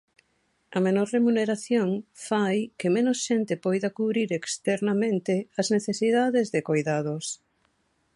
A menor remuneración fai que menos xente poida cubrir externamente as necesidades de coidados.